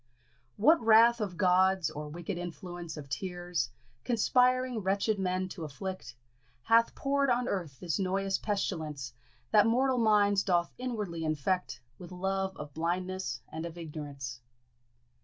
What wrath of gods, or wicked influence Of tears, conspiring wretched men t' afflict, Hath pour'd on earth this noyous pestilence That mortal minds doth inwardly infect With love of blindness and of ignorance?